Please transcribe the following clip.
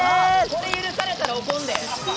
「これ許されたら怒るで！」